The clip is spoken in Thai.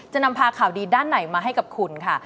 จะนำพาข่าวดีด้านไหนมาให้กับคุณค่ะ